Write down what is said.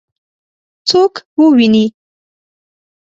څوک وویني؟